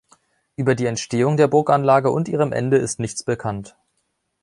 Über die Entstehung der Burganlage und ihrem Ende ist nichts bekannt.